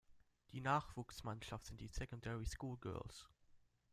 Die Nachwuchsmannschaft sind die Secondary School Girls.